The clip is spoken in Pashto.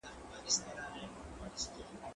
زه اوس قلم استعمالوموم؟